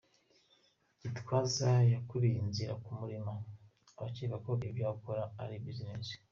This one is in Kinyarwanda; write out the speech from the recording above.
Gitwaza yakuriye inzira ku murima abakeka ko ibyo akora ari “business”.